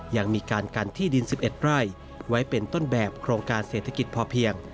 ยังมีการกันที่ดิน๑๑ไร่ไว้เป็นต้นแบบโครงการเศรษฐกิจพอเพียง